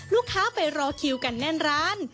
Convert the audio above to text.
ลูกค้าไปรอคิวกันแน่นร้าน